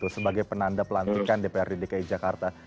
sebagai penanda pelantikan dprd dki jakarta